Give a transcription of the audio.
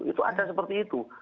itu ada seperti itu